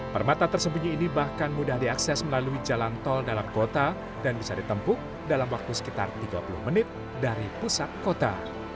permata tersembunyi ini bahkan mudah diakses melalui jalan tol dalam kota dan bisa ditempuh dalam waktu sekitar tiga puluh menit dari pusat kota